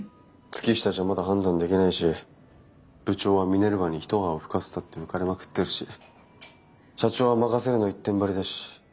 月下じゃまだ判断できないし部長はミネルヴァに一泡吹かせたって浮かれまくってるし社長は「任せる」の一点張りだし。